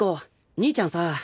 兄ちゃんさぁ。